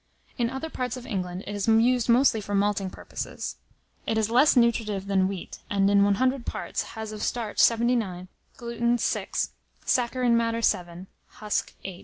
In other parts of England, it is used mostly for malting purposes. It is less nutritive than wheat; and in 100 parts, has of starch 79, gluten 6, saccharine matter 7, husk 8.